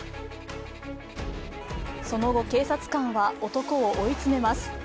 その後、警察官は男を追い詰めます。